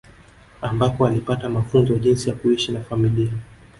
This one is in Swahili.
Ambako walipata mafunzo jinsi ya kuishi na familia